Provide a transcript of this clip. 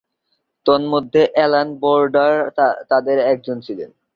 তন্মধ্যে, Allan Border তাদের একজন ছিলেন।